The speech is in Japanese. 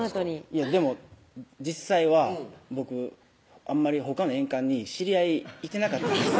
いやでも実際は僕あんまり他の園間に知り合いいてなかったんです